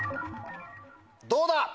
どうだ？